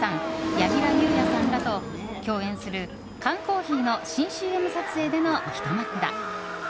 柳楽優弥さんらと共演する缶コーヒーの新ＣＭ撮影でのひと幕だ。